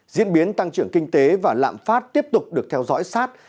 diễn biến tăng trưởng kinh tế và lạm phát tiếp tục được theo dõi sát